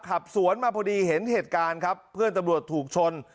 ขับสวนมาพอดีเห็นเหตุการณ์ครับเพื่อนตำรวจถูกชน